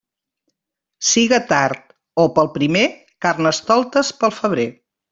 Siga tard o pel primer, carnestoltes pel febrer.